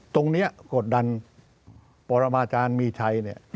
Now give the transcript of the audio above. ตรงนี้กฎดันโปรมาอาจารย์มีชัย